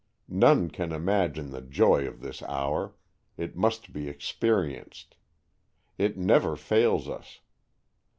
None can imagine the joy of this hour it must be experienced. It never fails us.